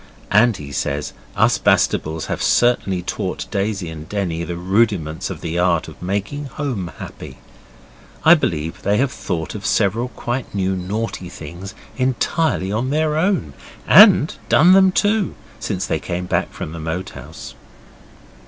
And he says us Bastables have certainly taught Daisy and Denny the rudiments of the art of making home happy. I believe they have thought of several quite new naughty things entirely on their own and done them too since they came back from the Moat House.